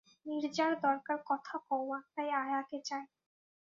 নীরজার দরকার কথা কওয়া, তাই আয়াকে চাই।